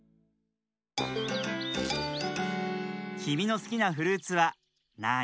きみのすきなフルーツはなあに？